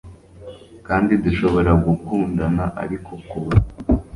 kandi dushobora gukundana, ariko kubusa